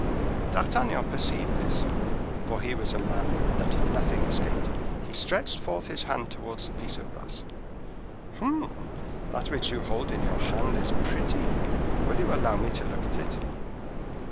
D'Artagnan perceived this, for he was a man that nothing escaped. He stretched forth his hand towards the piece of brass: "Humph! that which you hold in your hand is pretty; will you allow me to look at it?"